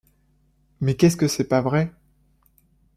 Mais qu'est-ce que C'est pas vrai.